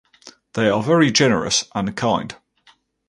They are very generous and kind.